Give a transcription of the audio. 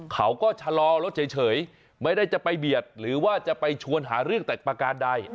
เขาก็ชะลอรถเฉยไม่ได้จะไปเบียดหรือว่าจะไปชวนหาเรื่องแต่ประการใด